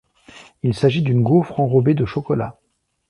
Il s'agit d'une gaufre enrobée de chocolat.